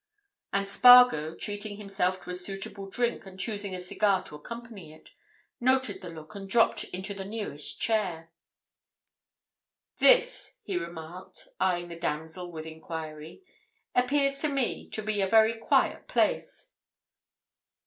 And Spargo, treating himself to a suitable drink and choosing a cigar to accompany it, noted the look, and dropped into the nearest chair. "This," he remarked, eyeing the damsel with enquiry, "appears to me to be a very quiet place."